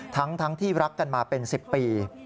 ทั้งที่รักกันมาเป็น๑๐ปี